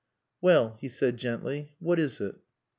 "Well," he said gently, "what is it?"